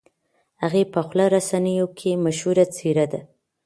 هغې په خواله رسنیو کې مشهوره څېره ده.